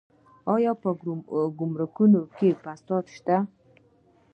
آیا په ګمرکونو کې فساد شته؟